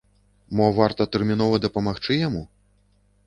Мо, варта тэрмінова дапамагчы яму?